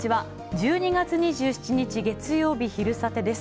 １２月２７日月曜日、「昼サテ」です。